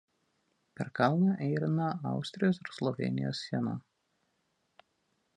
Per kalną eina Austrijos ir Slovėnijos siena.